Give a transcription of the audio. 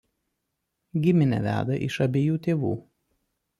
Giminę veda iš abiejų tėvų.